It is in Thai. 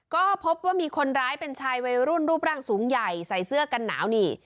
ก็พบว่ามีคนร้ายเป็นชายวัยรุ่นรูปร่างสูงใหญ่ใส่เสื้อกันหนาวนี่